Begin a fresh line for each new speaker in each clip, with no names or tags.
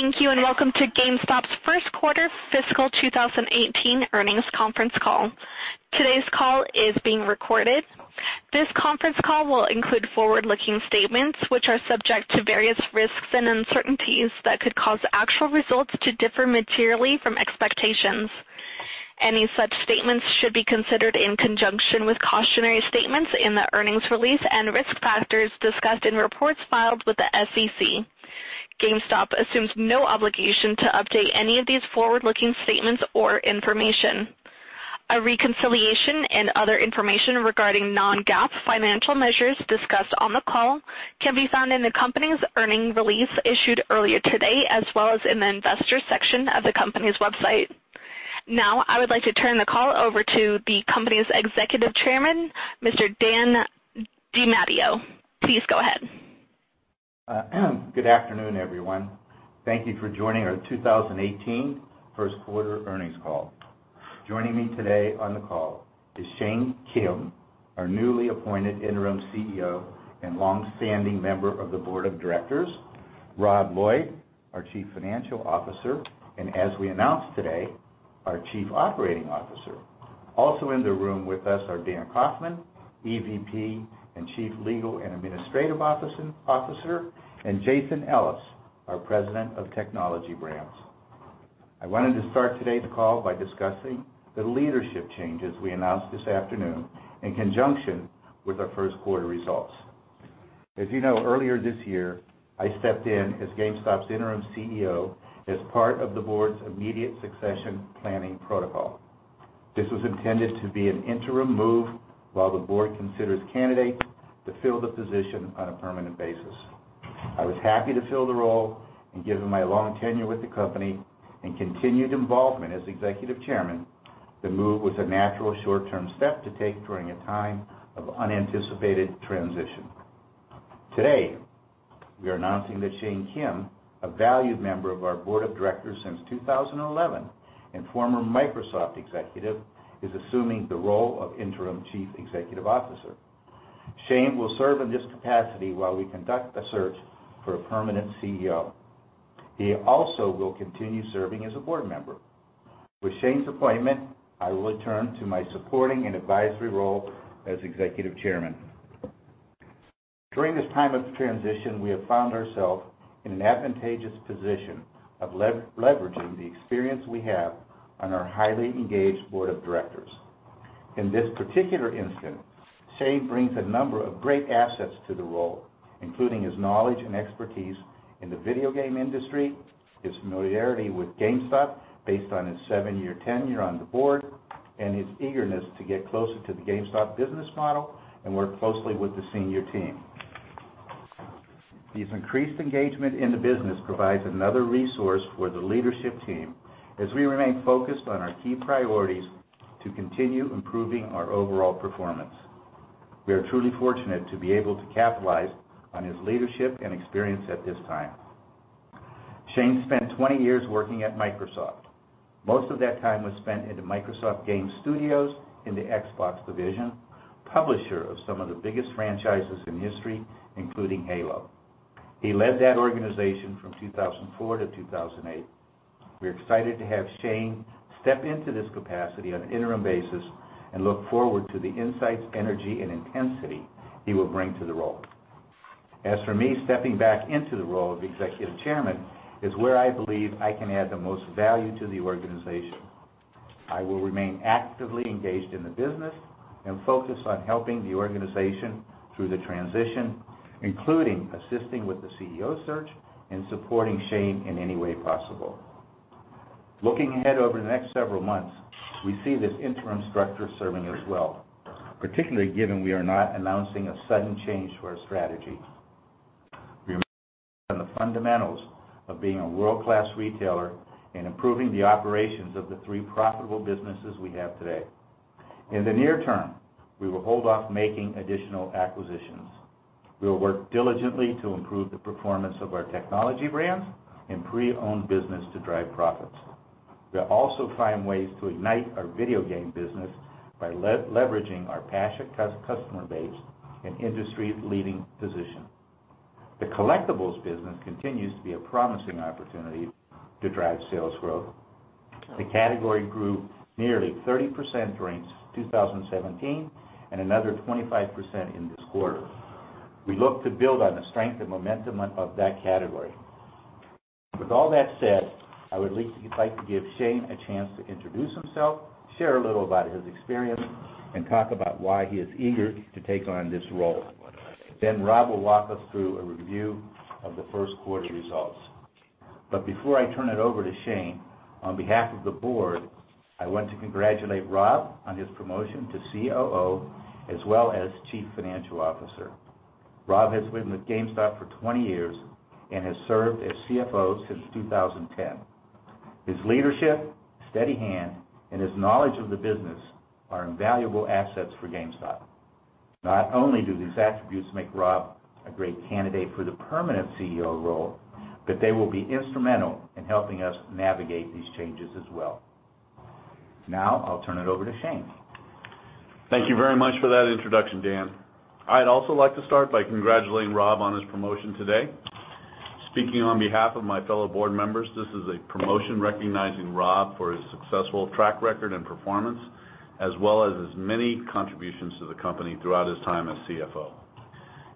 Thank you and welcome to GameStop's first quarter fiscal 2018 earnings conference call. Today's call is being recorded. This conference call will include forward-looking statements, which are subject to various risks and uncertainties that could cause actual results to differ materially from expectations. Any such statements should be considered in conjunction with cautionary statements in the earnings release and risk factors discussed in reports filed with the SEC. GameStop assumes no obligation to update any of these forward-looking statements or information. A reconciliation and other information regarding non-GAAP financial measures discussed on the call can be found in the company's earnings release issued earlier today, as well as in the investor section of the company's website. I would like to turn the call over to the company's Executive Chairman, Mr. Dan DeMatteo. Please go ahead.
Good afternoon, everyone. Thank you for joining our 2018 first quarter earnings call. Joining me today on the call is Shane Kim, our newly appointed Interim CEO and longstanding member of the Board of Directors, Rob Lloyd, our Chief Financial Officer, and as we announced today, our Chief Operating Officer. Also in the room with us are Dan Kaufman, EVP and Chief Legal and Administrative Officer, and Jason Ellis, our President of Technology Brands. I wanted to start today's call by discussing the leadership changes we announced this afternoon in conjunction with our first quarter results. As you know, earlier this year, I stepped in as GameStop's Interim CEO as part of the Board's immediate succession planning protocol. This was intended to be an interim move while the Board considers candidates to fill the position on a permanent basis. I was happy to fill the role, and given my long tenure with the company and continued involvement as Executive Chairman, the move was a natural short-term step to take during a time of unanticipated transition. Today, we are announcing that Shane Kim, a valued member of our Board of Directors since 2011 and former Microsoft executive, is assuming the role of Interim Chief Executive Officer. Shane will serve in this capacity while we conduct a search for a permanent CEO. He also will continue serving as a Board member. With Shane's appointment, I will return to my supporting and advisory role as Executive Chairman. During this time of transition, we have found ourselves in an advantageous position of leveraging the experience we have on our highly engaged Board of Directors. In this particular instance, Shane brings a number of great assets to the role, including his knowledge and expertise in the video game industry, his familiarity with GameStop based on his seven-year tenure on the Board, and his eagerness to get closer to the GameStop business model and work closely with the senior team. His increased engagement in the business provides another resource for the leadership team as we remain focused on our key priorities to continue improving our overall performance. We are truly fortunate to be able to capitalize on his leadership and experience at this time. Shane spent 20 years working at Microsoft. Most of that time was spent in the Microsoft Game Studios in the Xbox division, publisher of some of the biggest franchises in history, including Halo. He led that organization from 2004 to 2008. We're excited to have Shane step into this capacity on an interim basis and look forward to the insights, energy, and intensity he will bring to the role. As for me, stepping back into the role of Executive Chairman is where I believe I can add the most value to the organization. I will remain actively engaged in the business and focused on helping the organization through the transition, including assisting with the CEO search and supporting Shane in any way possible. Looking ahead over the next several months, we see this interim structure serving us well, particularly given we are not announcing a sudden change to our strategy. We remain focused on the fundamentals of being a world-class retailer and improving the operations of the three profitable businesses we have today. In the near term, we will hold off making additional acquisitions. We will work diligently to improve the performance of our Technology Brands and pre-owned business to drive profits. We'll also find ways to ignite our video game business by leveraging our passionate customer base and industry-leading position. The collectibles business continues to be a promising opportunity to drive sales growth. The category grew nearly 30% during 2017 and another 25% in this quarter. We look to build on the strength and momentum of that category. With all that said, I would like to give Shane a chance to introduce himself, share a little about his experience, and talk about why he is eager to take on this role. Rob will walk us through a review of the first quarter results. Before I turn it over to Shane, on behalf of the board, I want to congratulate Rob on his promotion to COO as well as Chief Financial Officer. Rob has been with GameStop for 20 years and has served as CFO since 2010. His leadership, steady hand, and his knowledge of the business are invaluable assets for GameStop. Not only do these attributes make Rob a great candidate for the permanent CEO role, but they will be instrumental in helping us navigate these changes as well. I'll turn it over to Shane.
Thank you very much for that introduction, Dan. I'd also like to start by congratulating Rob on his promotion today. Speaking on behalf of my fellow board members, this is a promotion recognizing Rob for his successful track record and performance, as well as his many contributions to the company throughout his time as CFO.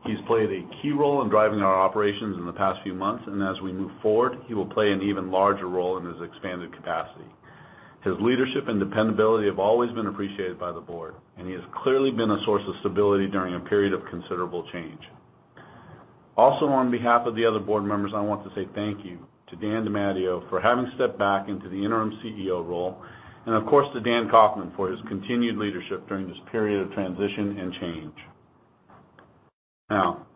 He's played a key role in driving our operations in the past few months, and as we move forward, he will play an even larger role in his expanded capacity. His leadership and dependability have always been appreciated by the board, and he has clearly been a source of stability during a period of considerable change. On behalf of the other board members, I want to say thank you to Daniel DeMatteo for having stepped back into the Interim CEO role, and of course, to Dan Kaufman for his continued leadership during this period of transition and change.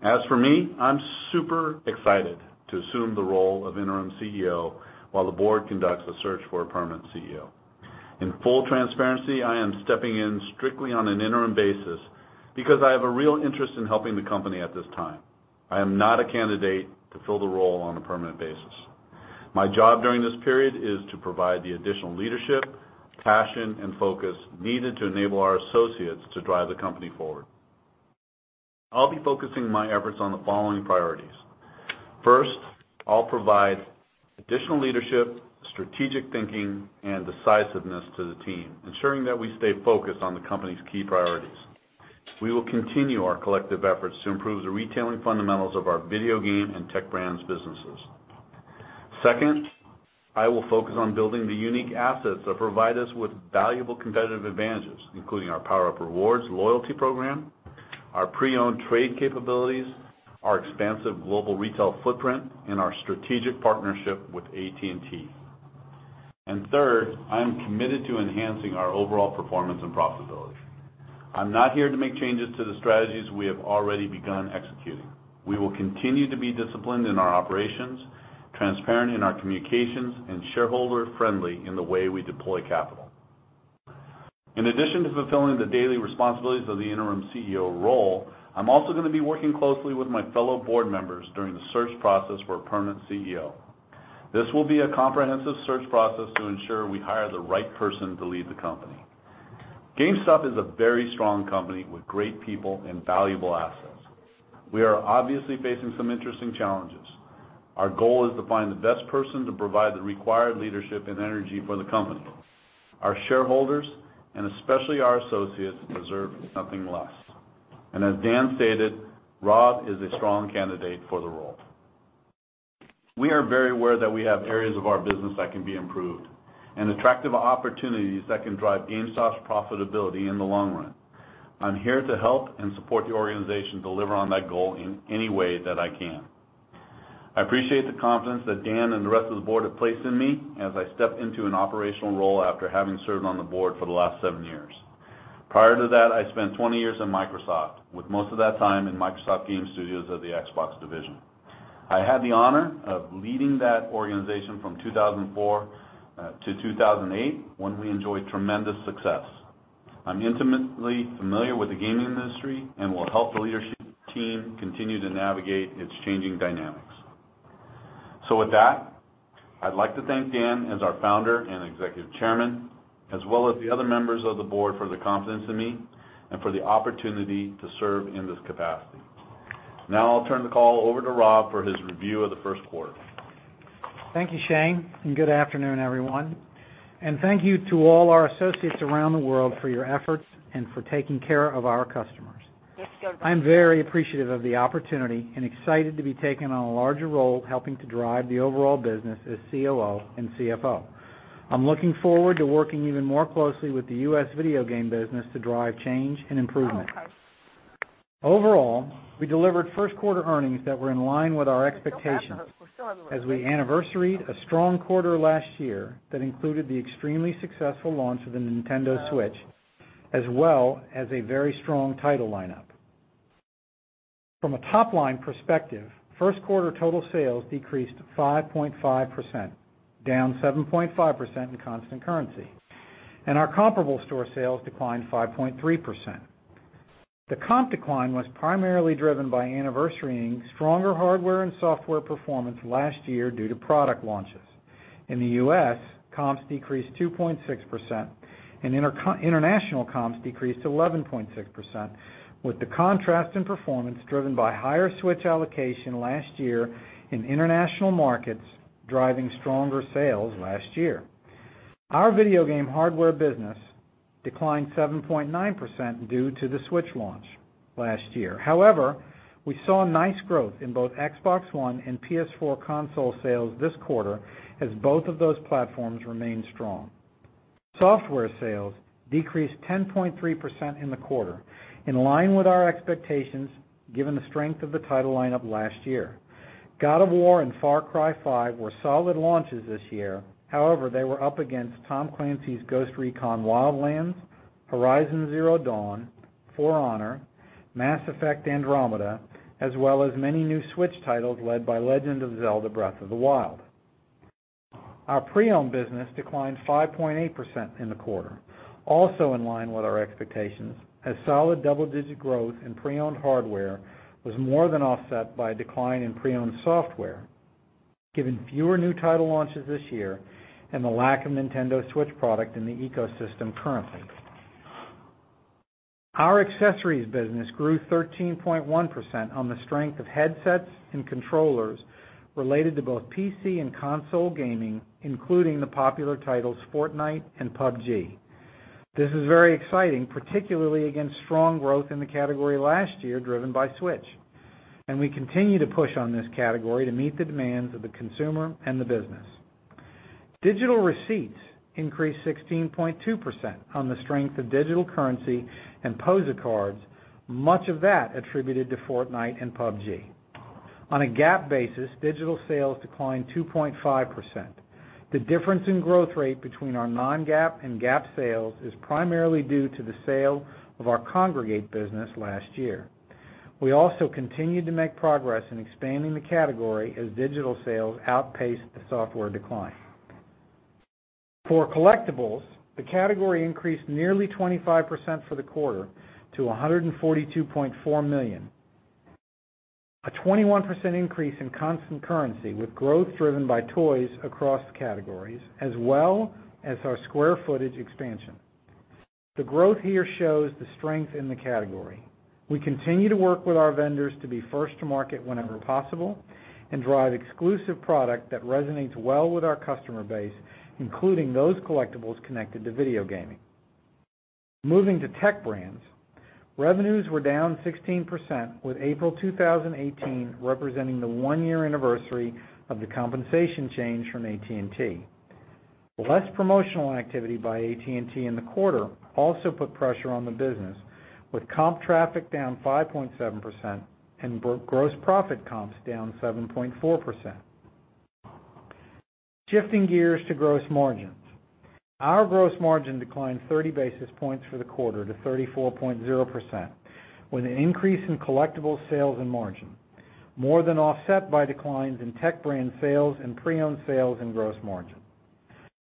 As for me, I'm super excited to assume the role of Interim CEO while the board conducts a search for a permanent CEO. In full transparency, I am stepping in strictly on an interim basis because I have a real interest in helping the company at this time. I am not a candidate to fill the role on a permanent basis. My job during this period is to provide the additional leadership, passion, and focus needed to enable our associates to drive the company forward. I'll be focusing my efforts on the following priorities. First, I'll provide additional leadership, strategic thinking, and decisiveness to the team, ensuring that we stay focused on the company's key priorities. We will continue our collective efforts to improve the retailing fundamentals of our video game and Tech Brands businesses. Second, I will focus on building the unique assets that provide us with valuable competitive advantages, including our PowerUp Rewards loyalty program, our pre-owned trade capabilities, our expansive global retail footprint, and our strategic partnership with AT&T. Third, I am committed to enhancing our overall performance and profitability. I'm not here to make changes to the strategies we have already begun executing. We will continue to be disciplined in our operations, transparent in our communications, and shareholder-friendly in the way we deploy capital. In addition to fulfilling the daily responsibilities of the Interim CEO role, I'm also going to be working closely with my fellow board members during the search process for a permanent CEO. This will be a comprehensive search process to ensure we hire the right person to lead the company. GameStop is a very strong company with great people and valuable assets. We are obviously facing some interesting challenges. Our goal is to find the best person to provide the required leadership and energy for the company. Our shareholders, and especially our associates, deserve nothing less. As Daniel stated, Rob is a strong candidate for the role. We are very aware that we have areas of our business that can be improved and attractive opportunities that can drive GameStop's profitability in the long run. I'm here to help and support the organization deliver on that goal in any way that I can. I appreciate the confidence that Daniel and the rest of the board have placed in me as I step into an operational role after having served on the board for the last seven years. Prior to that, I spent 20 years at Microsoft, with most of that time in Microsoft Game Studios of the Xbox division. I had the honor of leading that organization from 2004 to 2008, when we enjoyed tremendous success. I'm intimately familiar with the gaming industry and will help the leadership team continue to navigate its changing dynamics. With that, I'd like to thank Daniel as our founder and Executive Chairman, as well as the other members of the board for the confidence in me and for the opportunity to serve in this capacity. Now I'll turn the call over to Rob for his review of the first quarter.
Thank you, Shane, good afternoon, everyone. Thank you to all our associates around the world for your efforts and for taking care of our customers. I'm very appreciative of the opportunity and excited to be taking on a larger role helping to drive the overall business as COO and CFO. I'm looking forward to working even more closely with the U.S. video game business to drive change and improvement. Overall, we delivered first quarter earnings that were in line with our expectations as we anniversaried a strong quarter last year that included the extremely successful launch of the Nintendo Switch, as well as a very strong title lineup. From a top-line perspective, first quarter total sales decreased 5.5%, down 7.5% in constant currency. Our comparable store sales declined 5.3%. The comp decline was primarily driven by anniversaring stronger hardware and software performance last year due to product launches. In the U.S., comps decreased 2.6%. International comps decreased 11.6% with the contrast in performance driven by higher Switch allocation last year in international markets, driving stronger sales last year. Our video game hardware business declined 7.9% due to the Switch launch last year. However, we saw nice growth in both Xbox One and PS4 console sales this quarter, as both of those platforms remain strong. Software sales decreased 10.3% in the quarter, in line with our expectations given the strength of the title lineup last year. God of War and Far Cry 5 were solid launches this year. However, they were up against Tom Clancy's Ghost Recon Wildlands, Horizon Zero Dawn, For Honor, Mass Effect: Andromeda, as well as many new Switch titles led by Legend of Zelda: Breath of the Wild. Our pre-owned business declined 5.8% in the quarter, also in line with our expectations, as solid double-digit growth in pre-owned hardware was more than offset by a decline in pre-owned software, given fewer new title launches this year and the lack of Nintendo Switch product in the ecosystem currently. Our accessories business grew 13.1% on the strength of headsets and controllers related to both PC and console gaming, including the popular titles Fortnite and PUBG. This is very exciting, particularly against strong growth in the category last year driven by Switch. We continue to push on this category to meet the demands of the consumer and the business. Digital receipts increased 16.2% on the strength of digital currency and POSA cards, much of that attributed to Fortnite and PUBG. On a GAAP basis, digital sales declined 2.5%. The difference in growth rate between our non-GAAP and GAAP sales is primarily due to the sale of our Kongregate business last year. We also continued to make progress in expanding the category as digital sales outpaced the software decline. For collectibles, the category increased nearly 25% for the quarter to $142.4 million. A 21% increase in constant currency, with growth driven by toys across categories as well as our square footage expansion. The growth here shows the strength in the category. We continue to work with our vendors to be first to market whenever possible and drive exclusive product that resonates well with our customer base, including those collectibles connected to video gaming. Moving to Tech Brands, revenues were down 16%, with April 2018 representing the one-year anniversary of the compensation change from AT&T. Less promotional activity by AT&T in the quarter also put pressure on the business, with comp traffic down 5.7% and gross profit comps down 7.4%. Shifting gears to gross margins. Our gross margin declined 30 basis points for the quarter to 34.0%, with an increase in collectible sales and margin more than offset by declines in Tech Brands sales and pre-owned sales and gross margin.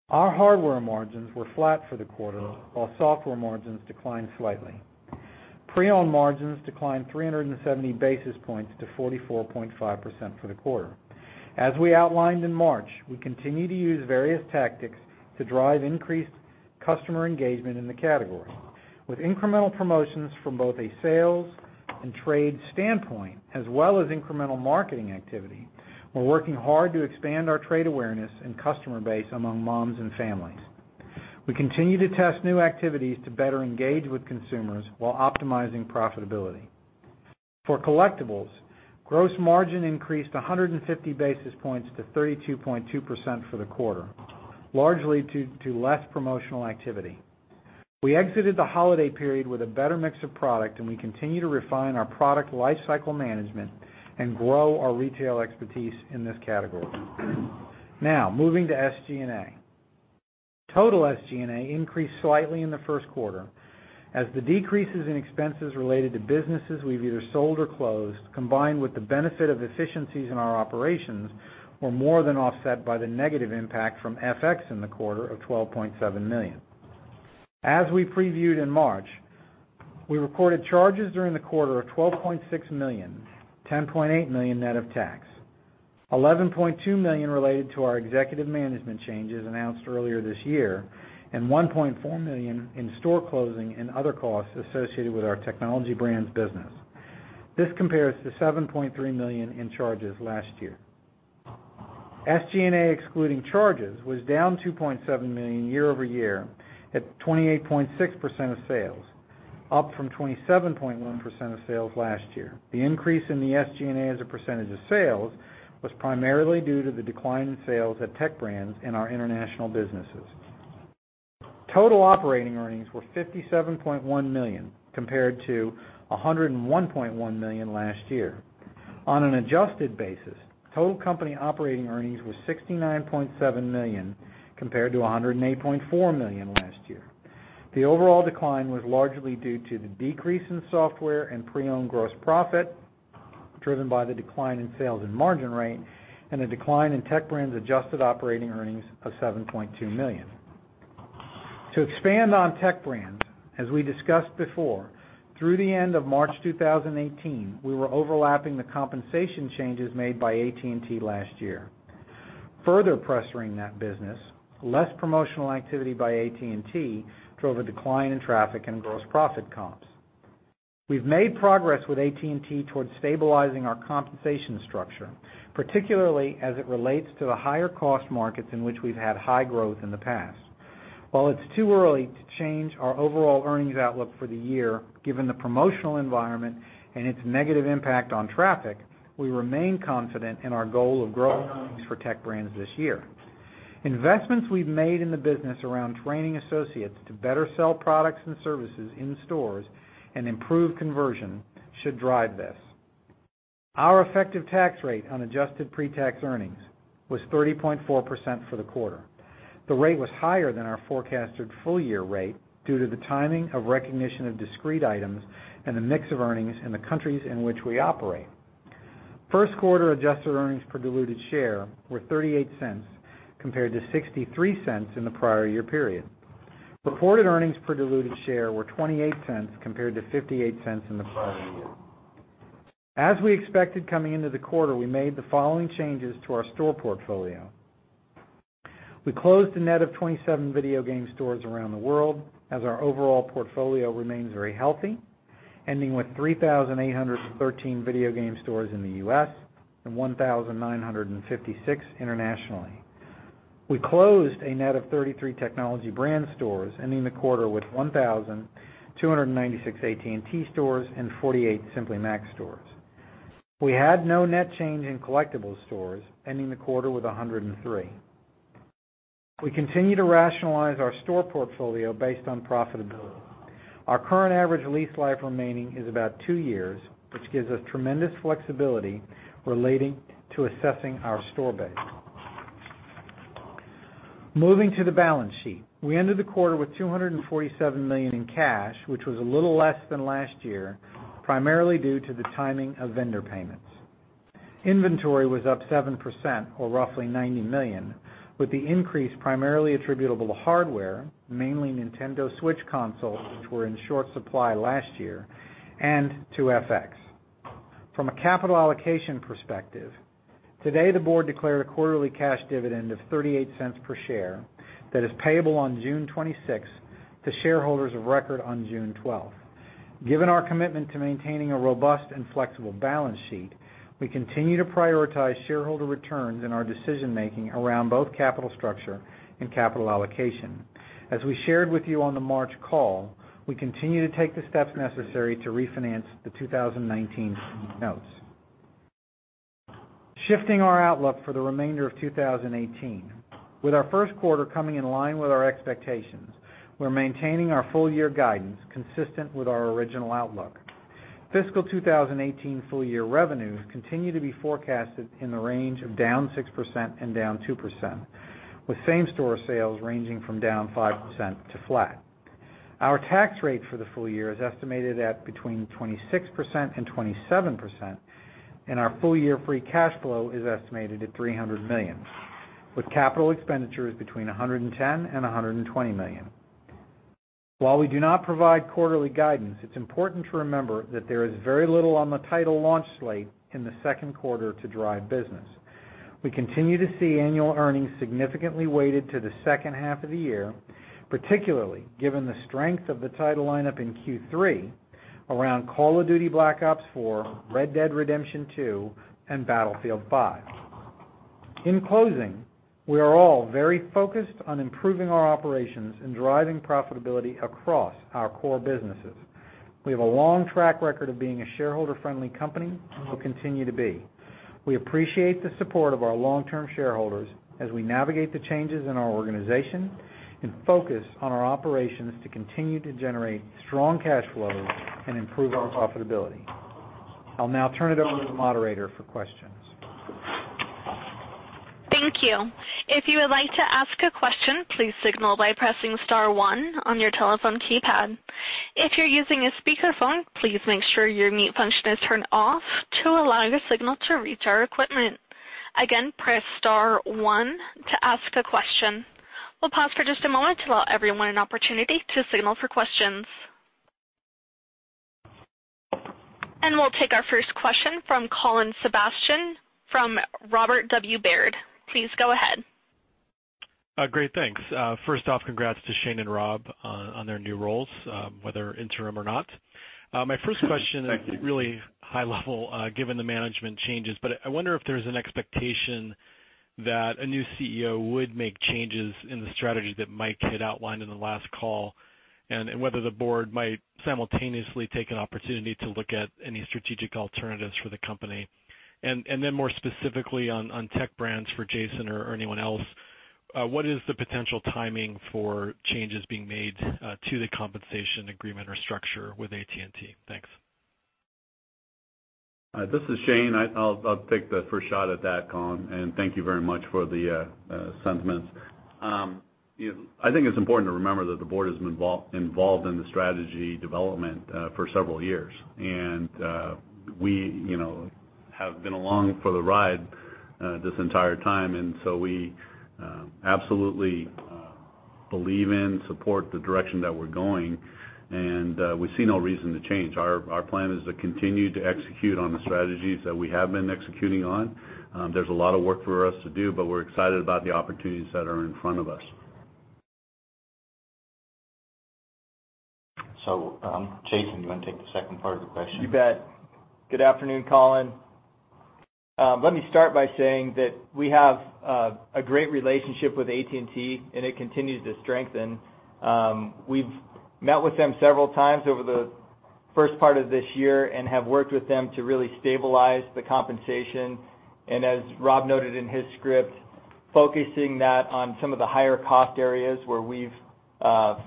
Our hardware margins were flat for the quarter, while software margins declined slightly. Pre-owned margins declined 370 basis points to 44.5% for the quarter. As we outlined in March, we continue to use various tactics to drive increased customer engagement in the category. With incremental promotions from both a sales and trade standpoint, as well as incremental marketing activity, we are working hard to expand our trade awareness and customer base among moms and families. We continue to test new activities to better engage with consumers while optimizing profitability. For collectibles, gross margin increased 150 basis points to 32.2% for the quarter, largely due to less promotional activity. We exited the holiday period with a better mix of product, and we continue to refine our product lifecycle management and grow our retail expertise in this category. Now, moving to SG&A. Total SG&A increased slightly in the first quarter, as the decreases in expenses related to businesses we have either sold or closed, combined with the benefit of efficiencies in our operations, were more than offset by the negative impact from FX in the quarter of $12.7 million. As we previewed in March, we recorded charges during the quarter of $12.6 million, $10.8 million net of tax. $11.2 million related to our executive management changes announced earlier this year, and $1.4 million in store closing and other costs associated with our Technology Brands business. This compares to $7.3 million in charges last year. SG&A excluding charges was down $2.7 million year-over-year at 28.6% of sales, up from 27.1% of sales last year. The increase in the SG&A as a percentage of sales was primarily due to the decline in sales at Tech Brands and our international businesses. Total operating earnings were $57.1 million, compared to $101.1 million last year. On an adjusted basis, total company operating earnings was $69.7 million, compared to $108.4 million last year. The overall decline was largely due to the decrease in software and pre-owned gross profit, driven by the decline in sales and margin rate, and a decline in Tech Brands adjusted operating earnings of $7.2 million. To expand on Tech Brands, as we discussed before, through the end of March 2018, we were overlapping the compensation changes made by AT&T last year. Further pressuring that business, less promotional activity by AT&T drove a decline in traffic and gross profit comps. We've made progress with AT&T towards stabilizing our compensation structure, particularly as it relates to the higher-cost markets in which we've had high growth in the past. While it's too early to change our overall earnings outlook for the year, given the promotional environment and its negative impact on traffic, we remain confident in our goal of growing earnings for Tech Brands this year. Investments we've made in the business around training associates to better sell products and services in stores and improve conversion should drive this. Our effective tax rate on adjusted pre-tax earnings was 30.4% for the quarter. The rate was higher than our forecasted full-year rate due to the timing of recognition of discrete items and the mix of earnings in the countries in which we operate. First quarter adjusted earnings per diluted share were $0.38, compared to $0.63 in the prior year period. Reported earnings per diluted share were $0.28 compared to $0.58 in the prior year. As we expected coming into the quarter, we made the following changes to our store portfolio. We closed a net of 27 video game stores around the world as our overall portfolio remains very healthy, ending with 3,813 video game stores in the U.S. and 1,956 internationally. We closed a net of 33 Technology Brands stores, ending the quarter with 1,296 AT&T stores and 48 Simply Mac stores. We had no net change in collectibles stores ending the quarter with 103. We continue to rationalize our store portfolio based on profitability. Our current average lease life remaining is about two years, which gives us tremendous flexibility relating to assessing our store base. Moving to the balance sheet. We ended the quarter with $247 million in cash, which was a little less than last year, primarily due to the timing of vendor payments. Inventory was up 7% or roughly $90 million, with the increase primarily attributable to hardware, mainly Nintendo Switch consoles, which were in short supply last year, and to FX. From a capital allocation perspective, today the board declared a quarterly cash dividend of $0.38 per share that is payable on June 26th to shareholders of record on June 12th. Given our commitment to maintaining a robust and flexible balance sheet, we continue to prioritize shareholder returns in our decision-making around both capital structure and capital allocation. As we shared with you on the March call, we continue to take the steps necessary to refinance the 2019 notes. Shifting our outlook for the remainder of 2018. With our first quarter coming in line with our expectations, we're maintaining our full year guidance consistent with our original outlook. Fiscal 2018 full year revenues continue to be forecasted in the range of down 6%-down 2%, with same store sales ranging from down 5% to flat. Our tax rate for the full year is estimated at between 26% and 27%, and our full-year free cash flow is estimated at $300 million, with capital expenditures between $110 million and $120 million. While we do not provide quarterly guidance, it's important to remember that there is very little on the title launch slate in the second quarter to drive business. We continue to see annual earnings significantly weighted to the second half of the year, particularly given the strength of the title lineup in Q3 around "Call of Duty: Black Ops 4," "Red Dead Redemption 2," and "Battlefield V." In closing, we are all very focused on improving our operations and driving profitability across our core businesses. We have a long track record of being a shareholder-friendly company and will continue to be. We appreciate the support of our long-term shareholders as we navigate the changes in our organization and focus on our operations to continue to generate strong cash flows and improve our profitability. I'll now turn it over to the moderator for questions.
Thank you. If you would like to ask a question, please signal by pressing star one on your telephone keypad. If you're using a speakerphone, please make sure your mute function is turned off to allow your signal to reach our equipment. Again, press star one to ask a question. We'll pause for just a moment to allow everyone an opportunity to signal for questions. We'll take our first question from Colin Sebastian, from Robert W. Baird. Please go ahead.
Great. Thanks. First off, congrats to Shane and Rob on their new roles, whether interim or not. My first question-
Thank you
is really high level, given the management changes. I wonder if there's an expectation that a new CEO would make changes in the strategy that Mike had outlined in the last call, and whether the board might simultaneously take an opportunity to look at any strategic alternatives for the company. More specifically on Tech Brands for Jason or anyone else, what is the potential timing for changes being made to the compensation agreement or structure with AT&T? Thanks.
This is Shane. I'll take the first shot at that, Colin, thank you very much for the sentiments. I think it's important to remember that the board has been involved in the strategy development for several years, we have been along for the ride this entire time, we absolutely believe in and support the direction that we're going, we see no reason to change. Our plan is to continue to execute on the strategies that we have been executing on. There's a lot of work for us to do, we're excited about the opportunities that are in front of us.
Jason, do you want to take the second part of the question?
You bet. Good afternoon, Colin. Let me start by saying that we have a great relationship with AT&T, and it continues to strengthen. We've met with them several times over the first part of this year and have worked with them to really stabilize the compensation, as Rob noted in his script, focusing that on some of the higher-cost areas where we've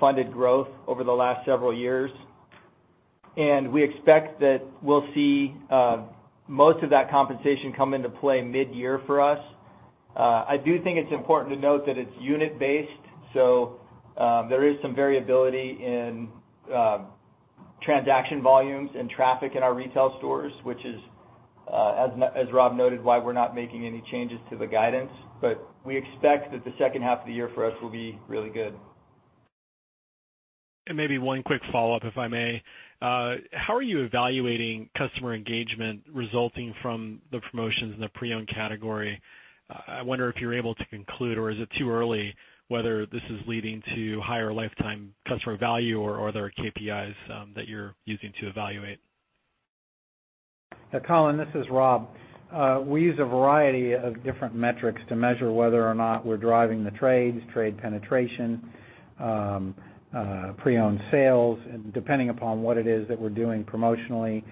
funded growth over the last several years. We expect that we'll see most of that compensation come into play mid-year for us. I do think it's important to note that it's unit-based, there is some variability in Transaction volumes and traffic in our retail stores, which is, as Rob noted, why we're not making any changes to the guidance. We expect that the second half of the year for us will be really good.
Maybe one quick follow-up, if I may. How are you evaluating customer engagement resulting from the promotions in the pre-owned category? I wonder if you're able to conclude or is it too early, whether this is leading to higher lifetime customer value or are there KPIs that you're using to evaluate?
Yeah, Colin, this is Rob. We use a variety of different metrics to measure whether or not we're driving the trades, trade penetration, pre-owned sales, and depending upon what it is that we're doing promotionally,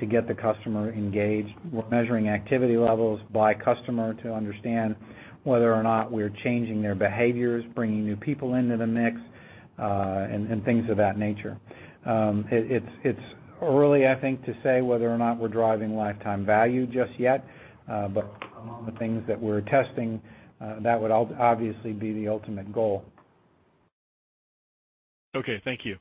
to get the customer engaged. We're measuring activity levels by customer to understand whether or not we're changing their behaviors, bringing new people into the mix, and things of that nature. It's early, I think, to say whether or not we're driving lifetime value just yet. Among the things that we're testing, that would obviously be the ultimate goal.
Okay, thank you.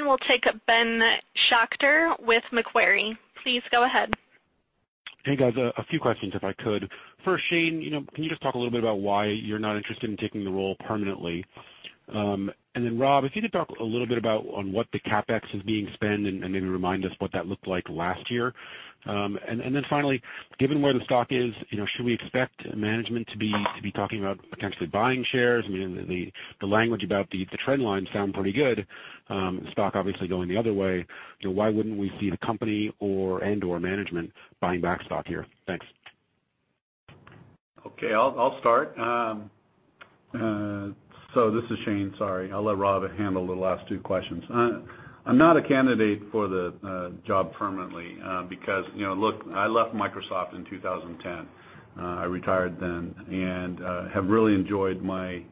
We'll take up Benjamin Schachter with Macquarie. Please go ahead.
Hey, guys. A few questions if I could. First, Shane, can you just talk a little bit about why you're not interested in taking the role permanently? Rob, if you could talk a little bit about on what the CapEx is being spent and maybe remind us what that looked like last year. Finally, given where the stock is, should we expect management to be talking about potentially buying shares? I mean, the language about the trend lines sound pretty good. Stock obviously going the other way. Why wouldn't we see the company and/or management buying back stock here? Thanks.
Okay, I'll start. This is Shane, sorry. I'll let Rob handle the last two questions. I'm not a candidate for the job permanently. Look, I left Microsoft in 2010. I retired then and have really enjoyed my,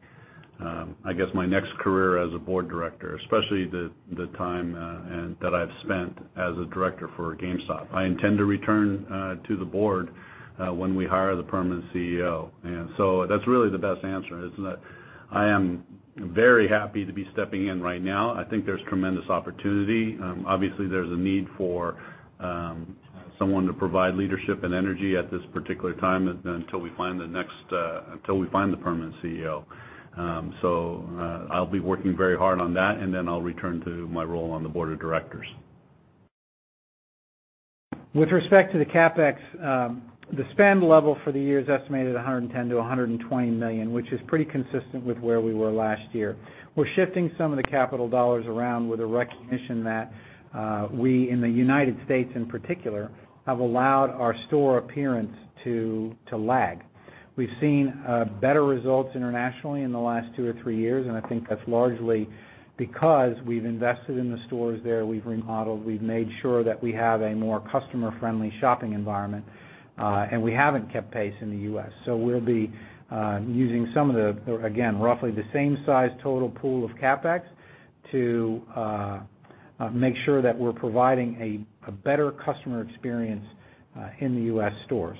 I guess my next career as a board director, especially the time that I've spent as a director for GameStop. I intend to return to the board when we hire the permanent CEO. That's really the best answer, is that I am very happy to be stepping in right now. I think there's tremendous opportunity. Obviously, there's a need for someone to provide leadership and energy at this particular time until we find the permanent CEO. I'll be working very hard on that, and then I'll return to my role on the board of directors.
With respect to the CapEx, the spend level for the year is estimated at $110 million-$120 million, which is pretty consistent with where we were last year. We're shifting some of the capital dollars around with a recognition that, we in the U.S. in particular, have allowed our store appearance to lag. We've seen better results internationally in the last two or three years, and I think that's largely because we've invested in the stores there. We've remodeled, we've made sure that we have a more customer-friendly shopping environment. We haven't kept pace in the U.S. We'll be using some of the, again, roughly the same size total pool of CapEx to make sure that we're providing a better customer experience in the U.S. stores.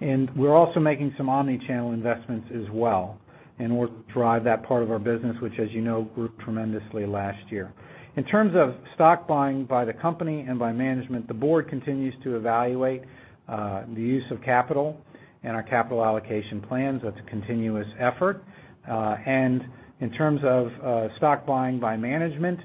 We're also making some omni-channel investments as well, in order to drive that part of our business, which as you know, grew tremendously last year. In terms of stock buying by the company and by management, the board continues to evaluate the use of capital and our capital allocation plans. That's a continuous effort. In terms of stock buying by management,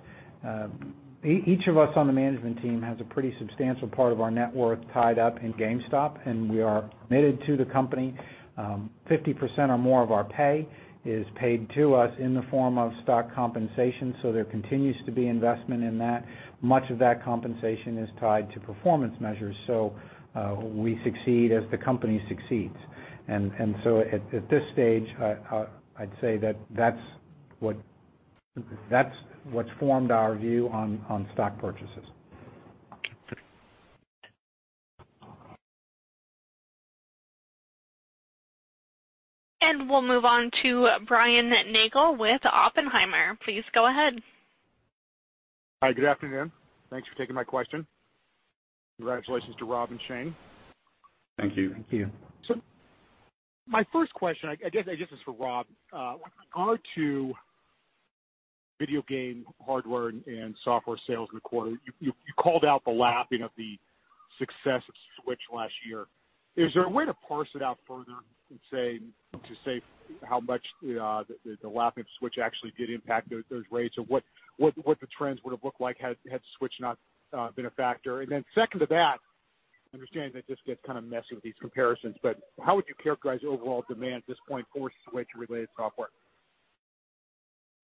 each of us on the management team has a pretty substantial part of our net worth tied up in GameStop, and we are committed to the company. 50% or more of our pay is paid to us in the form of stock compensation, so there continues to be investment in that. Much of that compensation is tied to performance measures. We succeed as the company succeeds. At this stage, I'd say that that's what's formed our view on stock purchases.
We'll move on to Brian Nagel with Oppenheimer. Please go ahead.
Hi, good afternoon. Thanks for taking my question. Congratulations to Rob and Shane.
Thank you.
Thank you.
My first question, I guess this is for Rob. With regard to video game, hardware, and software sales in the quarter, you called out the lapping of the success of Switch last year. Is there a way to parse it out further to say how much the lap of Switch actually did impact those rates, or what the trends would've looked like had Switch not been a factor? Second to that, I understand that this gets kind of messy with these comparisons, but how would you characterize overall demand at this point for Switch and related software?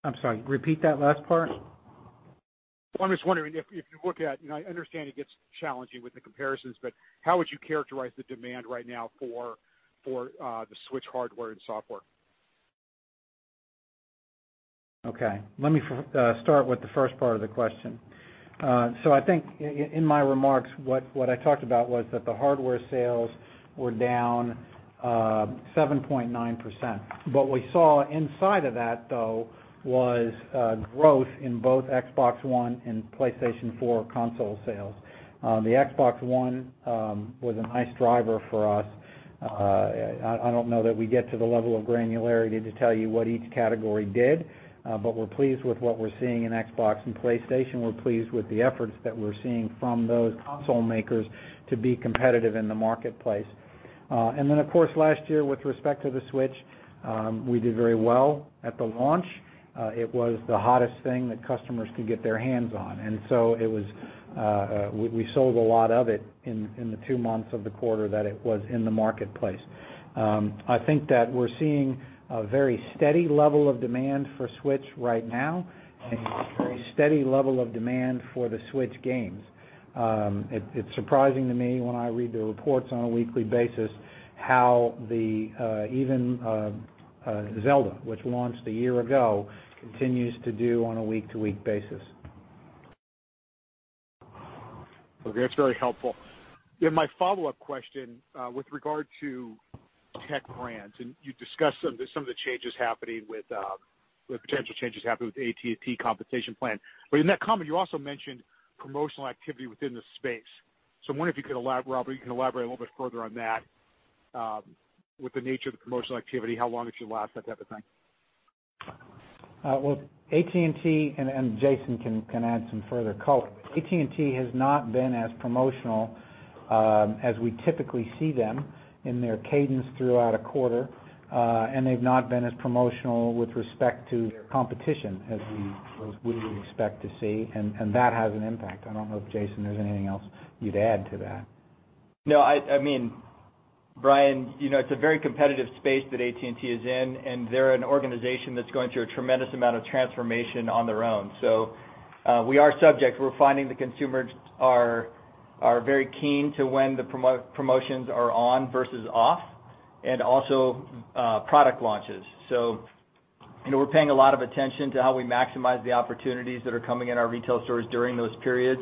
I'm sorry, repeat that last part.
Well, I'm just wondering if you look at, and I understand it gets challenging with the comparisons, but how would you characterize the demand right now for the Switch hardware and software?
Okay. Let me start with the first part of the question. I think in my remarks, what I talked about was that the hardware sales were down 7.9%. What we saw inside of that, though, was growth in both Xbox One and PlayStation 4 console sales. The Xbox One was a nice driver for us. I don't know that we get to the level of granularity to tell you what each category did, but we're pleased with what we're seeing in Xbox and PlayStation. We're pleased with the efforts that we're seeing from those console makers to be competitive in the marketplace. Of course, last year, with respect to the Switch, we did very well at the launch. It was the hottest thing that customers could get their hands on. We sold a lot of it in the two months of the quarter that it was in the marketplace. I think that we're seeing a very steady level of demand for Switch right now and a very steady level of demand for the Switch games. It's surprising to me when I read the reports on a weekly basis how even Zelda, which launched a year ago, continues to do on a week-to-week basis.
Okay. That's very helpful. My follow-up question, with regard to Tech Brands, and you discussed some of the potential changes happening with AT&T compensation plan. In that comment, you also mentioned promotional activity within the space. I wonder if you could elaborate, Robert, you can elaborate a little bit further on that, with the nature of the promotional activity, how long it should last, that type of thing.
Well, AT&T, and Jason can add some further color. AT&T has not been as promotional as we typically see them in their cadence throughout a quarter. They've not been as promotional with respect to their competition as we would expect to see, and that has an impact. I don't know if, Jason, there's anything else you'd add to that.
No, Brian, it's a very competitive space that AT&T is in, and they're an organization that's going through a tremendous amount of transformation on their own. We are subject. We're finding the consumers are very keen to when the promotions are on versus off, and also product launches. We're paying a lot of attention to how we maximize the opportunities that are coming in our retail stores during those periods.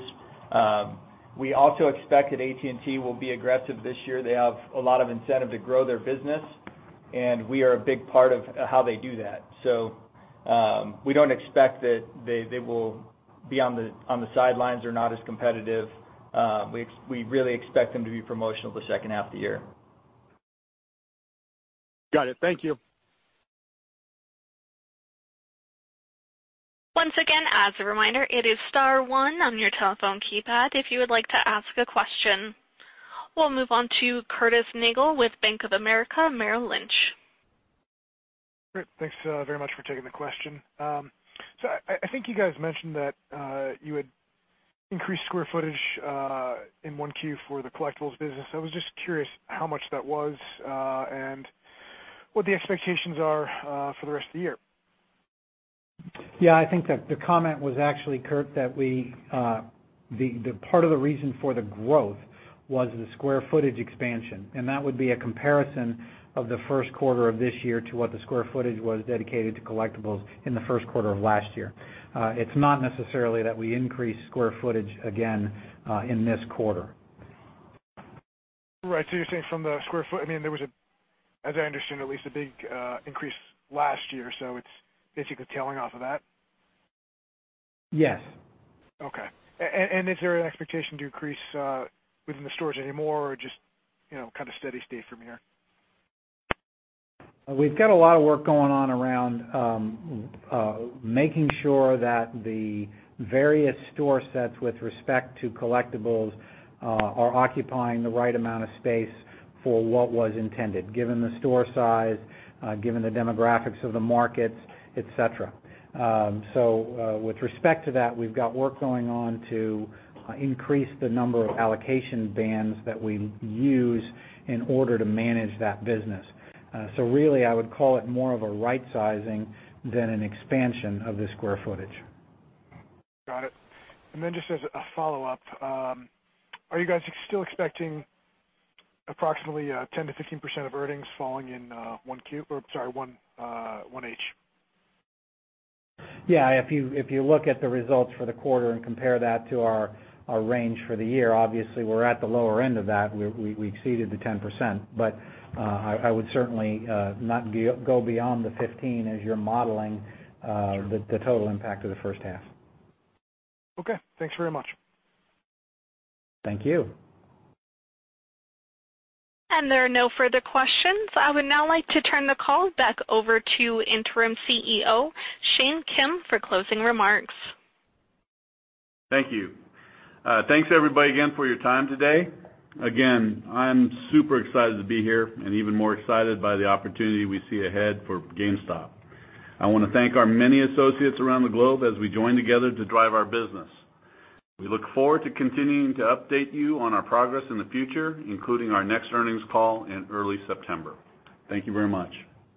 We also expect that AT&T will be aggressive this year. They have a lot of incentive to grow their business, and we are a big part of how they do that. We don't expect that they will be on the sidelines or not as competitive. We really expect them to be promotional the second half of the year.
Got it. Thank you.
Once again, as a reminder, it is star one on your telephone keypad if you would like to ask a question. We'll move on to Curtis Nagle with Bank of America Merrill Lynch.
Thanks very much for taking the question. I think you guys mentioned that you had increased square footage in Q1 for the collectibles business. I was just curious how much that was, and what the expectations are for the rest of the year.
Yeah, I think that the comment was actually, Curt, that part of the reason for the growth was the square footage expansion, and that would be a comparison of the first quarter of this year to what the square footage was dedicated to collectibles in the first quarter of last year. It's not necessarily that we increased square footage again in this quarter.
Right. You're saying from the square foot, there was, as I understood at least, a big increase last year, so it's basically tailing off of that?
Yes.
Okay. Is there an expectation to increase within the stores anymore or just kind of steady state from here?
We've got a lot of work going on around making sure that the various store sets with respect to collectibles are occupying the right amount of space for what was intended, given the store size, given the demographics of the markets, et cetera. With respect to that, we've got work going on to increase the number of allocation bands that we use in order to manage that business. Really, I would call it more of a right-sizing than an expansion of the square footage.
Got it. Just as a follow-up, are you guys still expecting approximately 10%-15% of earnings falling in 1H?
Yeah. If you look at the results for the quarter and compare that to our range for the year, obviously, we're at the lower end of that. We exceeded the 10%, but I would certainly not go beyond the 15% as you're modeling the total impact of the first half.
Okay. Thanks very much.
Thank you.
There are no further questions. I would now like to turn the call back over to Interim Chief Executive Officer, Shane Kim, for closing remarks.
Thank you. Thanks everybody again for your time today. Again, I'm super excited to be here and even more excited by the opportunity we see ahead for GameStop. I want to thank our many associates around the globe as we join together to drive our business. We look forward to continuing to update you on our progress in the future, including our next earnings call in early September. Thank you very much.